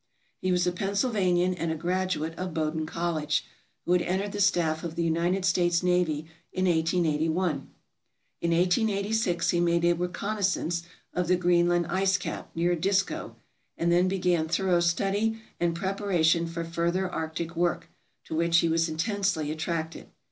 He was a Pennsylvanian and a grad uate of Bowdoin College, who had entered the staff of the United States Navy in 1881. In 1886 he made a reconnoisance of the Greenland ice cap near Disko, and then began thorough study and preparation for further arctic work, to which he was intensely attracted.